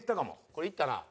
これいったな。